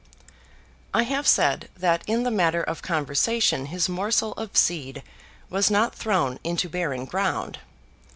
I have said that in the matter of conversation his morsel of seed was not thrown into barren ground.